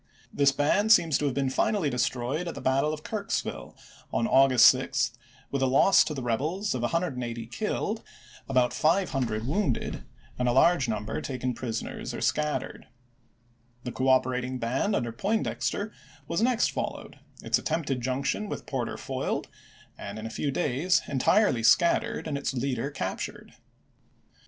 This band seems to have been finally de ch. xviil stroyed at the battle of Earksville, on August 6, 1862. with a loss to the rebels of 180 killed, about 500 wounded, and a large number taken prisoners or scattered. The cooperating band under Poindexter was next followed, its attempted junction with Porter foiled, and in a few days entii*ely scattered and its leader captured.